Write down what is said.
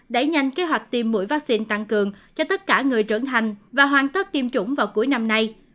đẩy nhanh kế hoạch tiêm mũi vaccine tăng cường cho tất cả người trưởng thành và hoàn tất tiêm chủng vào cuối năm nay